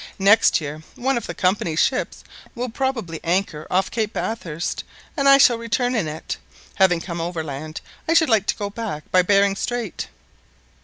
Next year one of the Company's ships will probably anchor off Cape Bathurst, and I shall return in it. Having come overland, I should like to go back by Behring Strait."